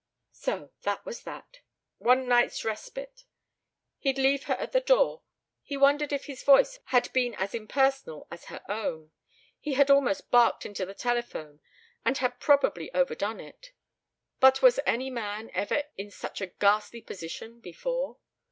So that was that! One night's respite. He'd leave her at her door. He wondered if his voice had been as impersonal as her own: he had almost barked into the telephone and had probably overdone it. But was any man ever in such a ghastly position before?